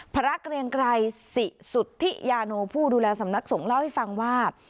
พระเกรียงไกรสิสุธิยาโนผู้ดูแลสำนักสงฆ์เล่าให้ฟังว่า